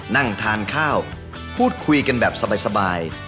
นั่งทานข้าวพูดคุยกันแบบสบาย